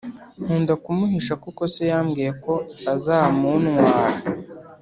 Nkunda kumuhisha kuko se yambwiye ko azamunwara